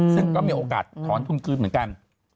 ซึ่งก็มีโอกาสท้อนทุ่มขึ้นเหมือนกัน